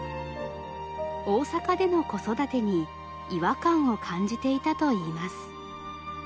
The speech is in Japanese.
大阪での子育てに違和感を感じていたといいます。